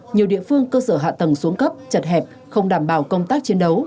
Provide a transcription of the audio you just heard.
nhiều địa phương cơ sở hạ tầng xuống cấp chật hẹp không đảm bảo công tác chiến đấu